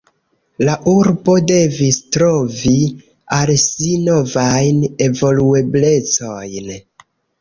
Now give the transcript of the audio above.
La urbo devis trovi al si novajn evolueblecojn.